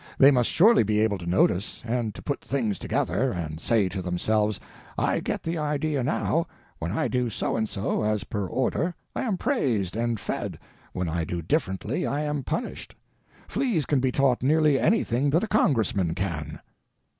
They must surely be able to notice, and to put things together, and say to themselves, "I get the idea, now: when I do so and so, as per order, I am praised and fed; when I do differently I am punished." Fleas can be taught nearly anything that a Congressman can.